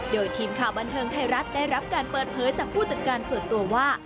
โดยทีมข่าวบันเทิงไทยรัฐได้รับการเปิดเผยจากผู้จัดการส่วนตัวว่า